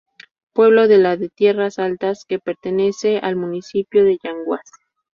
Pueblo de la de Tierras Altas que pertenece al municipio de Yanguas.